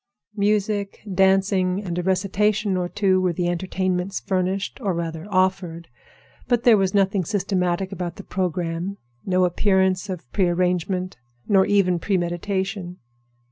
Music, dancing, and a recitation or two were the entertainments furnished, or rather, offered. But there was nothing systematic about the programme, no appearance of prearrangement nor even premeditation.